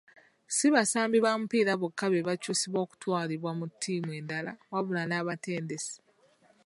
Si basambi ba mupiira bokka be bakyusibwa okutwalibwa mu ttiimu endala wabula n'abatendesi.